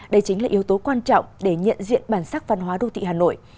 đây chính là yếu tố quan trọng để nhận diện bản sắc văn hóa đô thị hà nội